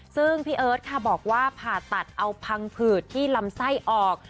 ซึ่งพี่เอิร์ทค่ะบอกว่าผ่าตัดเอาพังผืดที่ลำไส้ออก